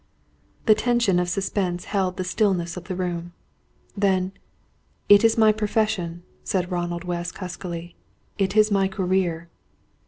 The tension of suspense held the stillness of the room. Then: "It is my profession," said Ronald West, huskily. "It is my career."